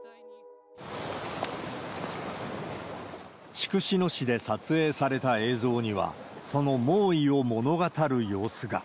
筑紫野市で撮影された映像には、その猛威を物語る様子が。